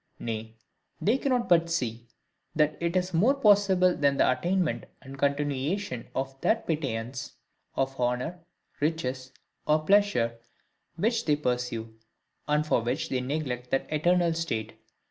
Nay, they cannot but see that it is more possible than the attainment and continuation of that pittance of honour, riches, or pleasure which they pursue, and for which they neglect that eternal state.